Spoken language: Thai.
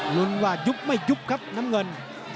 ลุ้นว่ายุบไม่ยุบครับน้ำเงิน